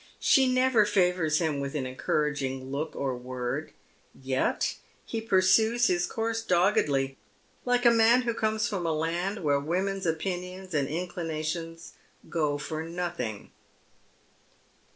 She never favours him with an encouraging look or word, yet he pursues his course doggedly, like a man who comes from a land where women's opinions and inclinations go for nothing.